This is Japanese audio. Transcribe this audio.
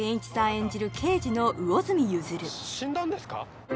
演じる刑事の魚住譲死んだんですか！？